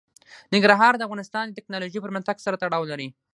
ننګرهار د افغانستان د تکنالوژۍ پرمختګ سره تړاو لري.